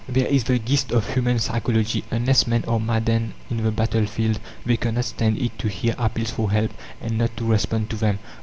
There is the gist of human psychology. Unless men are maddened in the battlefield, they "cannot stand it" to hear appeals for help, and not to respond to them.